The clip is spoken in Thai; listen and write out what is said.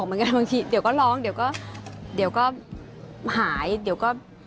เข้าออกมากันบางทีเดี๋ยวก็ร้องเดี๋ยวก็หายเดี๋ยวก็